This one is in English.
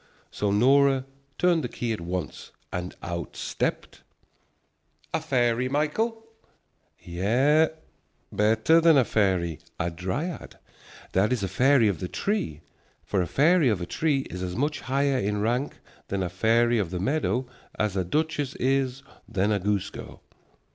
So Nora turned the key at once, and out stepped " "A fairy, Michael?" Yes, better than a fairy, a dryad, that is a fairy of the tree. For a fairy of a tree is as much higher in rank than a fairy of the meadow as a duchess is than a goose girl.